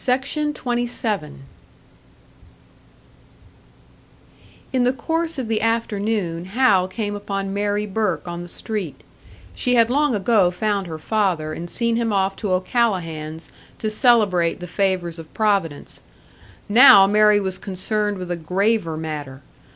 In the course of the afternoon Hal came upon Mary Burke on the street. She had long ago found her father, and seen him off to O'Callahan's to celebrate the favours of Providence. Now Mary was concerned with a graver matter.